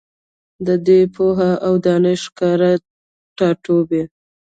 دی د پوهي او دانش ښکلی ټاټوبی